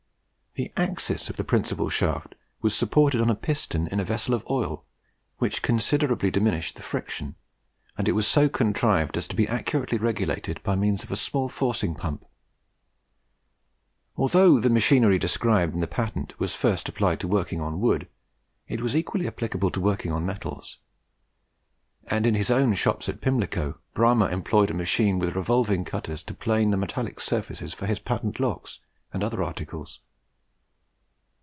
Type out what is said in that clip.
The axis of the principal shaft was supported on a piston in a vessel of oil, which considerably diminished the friction, and it was so contrived as to be accurately regulated by means of a small forcing pump. Although the machinery described in the patent was first applied to working on wood, it was equally applicable to working on metals; and in his own shops at Pimlico Bramah employed a machine with revolving cutters to plane metallic surfaces for his patent locks and other articles.